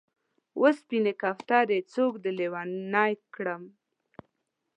و سپینې کوترې! څوک دې لېونی کړل؟